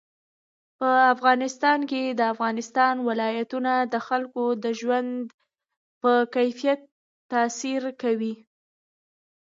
په افغانستان کې د افغانستان ولايتونه د خلکو د ژوند په کیفیت تاثیر کوي.